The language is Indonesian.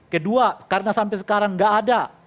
kedua karena sampai sekarang nggak ada